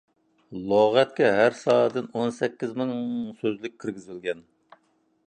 لۇغەتكە ھەر ساھەدىن ئون سەككىز مىڭ سۆزلۈك كىرگۈزۈلگەن.